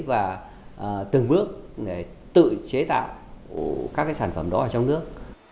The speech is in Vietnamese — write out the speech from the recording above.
và từng bước để tự chế tạo các sản phẩm đó ở trong nước